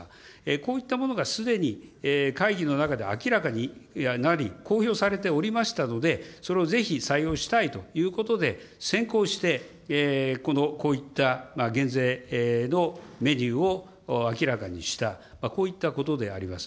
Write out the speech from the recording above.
こういったものがすでに会議の中で明らかになり、公表されておりましたので、それをぜひ採用したいということで、先行してこの、こういった減税のメニューを明らかにした、こういったことであります。